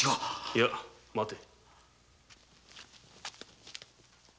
いや待て！